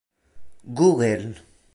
google